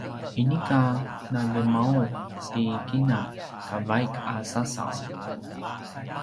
inika naljemaung ti kina ka vaik a sasaw